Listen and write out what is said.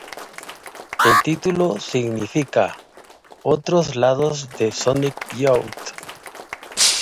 El título significa "Otros lados de Sonic Youth".